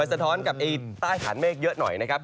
สะท้อนกับใต้ฐานเมฆเยอะหน่อยนะครับ